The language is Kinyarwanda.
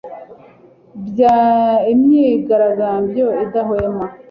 bya imyigaragambyo idahwema